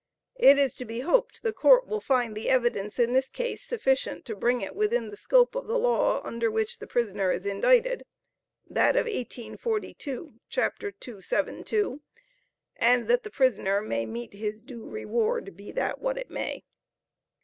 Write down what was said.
It is to be hoped, the court will find the evidence in this case sufficient to bring it within the scope of the law under which the prisoner is indicted (that of 1842, chap. 272), and that the prisoner may meet his due reward be that what it may.